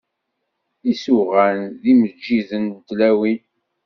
Isuɣan d yimeǧǧiden n tlawin.